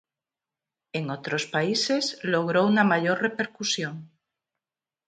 En otros países logró una mayor repercusión.